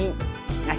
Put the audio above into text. nggak ngerti bapaknya